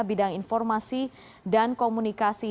bidang informasi dan komunikasi